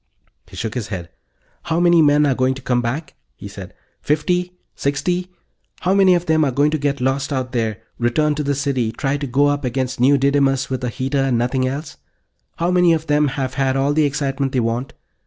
He shook his head. "How many men are going to come back?" he said. "Fifty? Sixty? How many of them are going to get lost out there, return to the city, try to go up against New Didymus with a heater and nothing else? How many of them have had all the excitement they want?